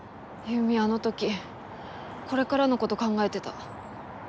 優美あの時これからの事考えてた。